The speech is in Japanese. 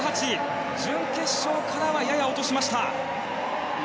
準決勝からはやや落としました。